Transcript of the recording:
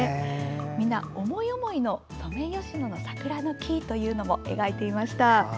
みんな思い思いのソメイヨシノの桜の木というのも描いていました。